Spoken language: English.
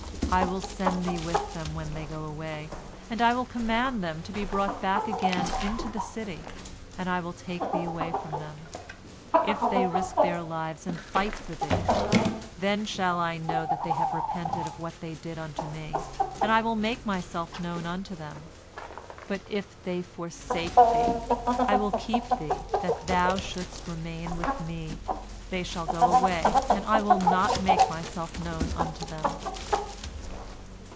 I will send thee with them when they go away, and I will command them to be brought back again into the city, and I will take thee away from them. If they risk their lives and fight for thee, then shall I know that they have repented of what they did unto me, and I will make myself known unto them. But if they forsake thee, I will keep thee, that thou shouldst remain with me. They shall go away, and I will not make myself known unto them."